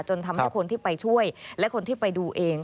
ทำให้คนที่ไปช่วยและคนที่ไปดูเอง